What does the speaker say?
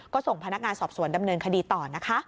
ก็ส่งพนักงานสอบสวนดำเนินคดีต่อนะคะ